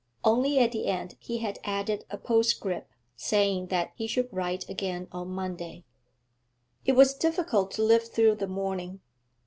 Only at the end he had added a postscript, saying that he should write again on Monday. It was difficult to live through the morning.